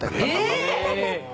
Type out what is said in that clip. えっ！？